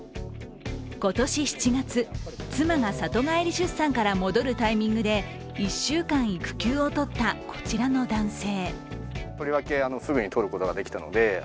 今年７月、妻が里帰り出産から戻るタイミングで１週間、育休を取ったこちらの男性。